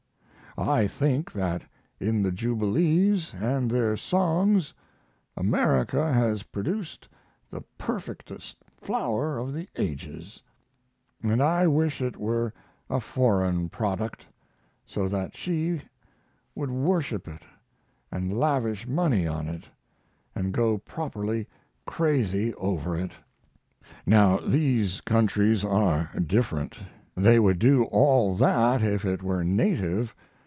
I think that in the jubilees & their songs America has produced the perfectest flower of the ages; & I wish it were a foreign product, so that she would worship it & lavish money on it & go properly crazy over it. Now, these countries are different: they would do all that if it were native.